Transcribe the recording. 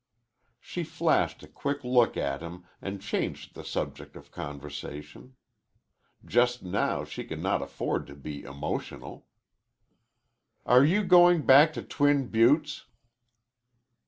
She flashed a quick look at him and changed the subject of conversation. Just now she could not afford to be emotional. "Are you going back to Twin Buttes?"